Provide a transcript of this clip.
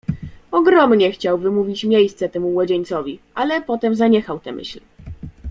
"Ogromnie chciał wymówić miejsce temu młodzieńcowi, ale potem zaniechał tę myśl."